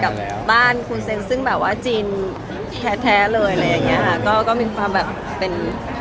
กับบ้านคุณเซนซึ่งแบบว่าจีนแท้แท้เลยอะไรอย่างเงี้ยค่ะก็ก็มีความแบบเป็น